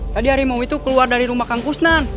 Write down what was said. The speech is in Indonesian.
tadi harimau itu keluar dari rumah kang kusnan